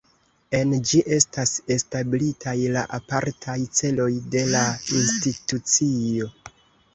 En ĝi estas establitaj la apartaj celoj de la institucio.